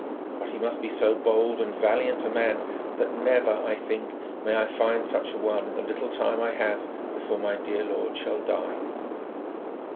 But he must be so bold and valiant a man, that never, I think, may I find such a one in the little time I have before my dear lord shall die!'